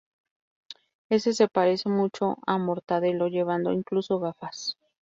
Ese se parece mucho a Mortadelo, llevando incluso gafas.